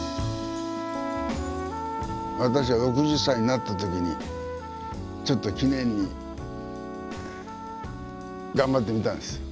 私が６０歳になった時にちょっと記念に頑張ってみたんです。